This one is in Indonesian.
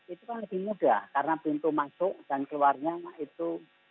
itu kan lebih mudah karena pintu masuk dan keluarnya itu